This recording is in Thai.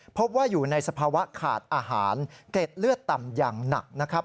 พบว่าอยู่ในสภาวะขาดอาหารเกร็ดเลือดต่ำอย่างหนักนะครับ